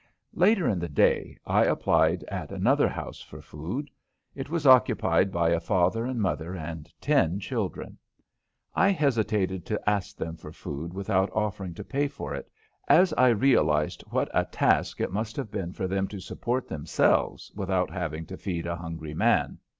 Later in the day I applied at another house for food. It was occupied by a father and mother and ten children. I hesitated to ask them for food without offering to pay for it, as I realized what a task it must have been for them to support themselves without having to feed a hungry man.